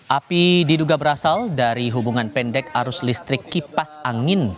api diduga berasal dari hubungan pendek arus listrik kipas angin